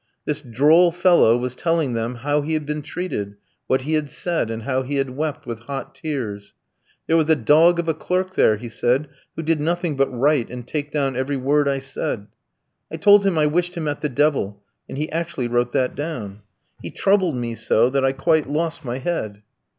"This droll fellow was telling them how he had been tried, what he had said, and how he had wept with hot tears. "'There was a dog of a clerk there,' he said, 'who did nothing but write and take down every word I said. I told him I wished him at the devil, and he actually wrote that down. He troubled me so, that I quite lost my head.'"